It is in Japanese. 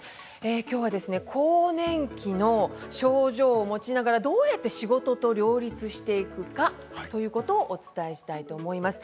きょうは更年期の症状を持ちながらどうやって仕事と両立していくかということをお伝えしたいと思います。